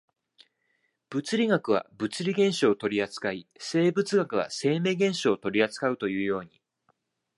物理学は物理現象を取扱い、生物学は生命現象を取扱うというように、